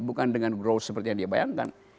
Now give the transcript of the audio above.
bukan dengan growth seperti yang dia bayangkan